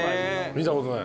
見たことない。